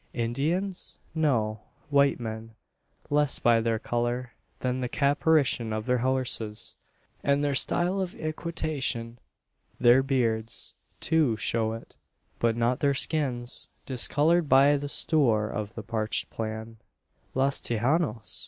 Indians? No. White men less by their colour, than the caparison of their horses, and their style of equitation. Their beards, too, show it; but not their skins, discoloured by the "stoor" of the parched plain. "Los Tejanos!"